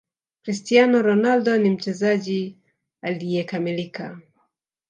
cristiano ronaldo ni mchezaji alieyekamilika